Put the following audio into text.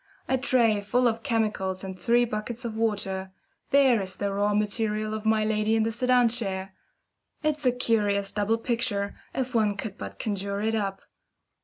A tray full of chemicals and three buckets of water, there is the raw material of my lady in the sedan chair! It's a curious double picture, if one could but conjure it up.